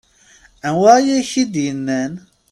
Anwa i ak-t-id-yennan?